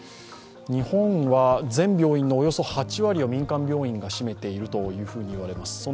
日本は全病院のおよそ８割を民間病院が占めているといわれています。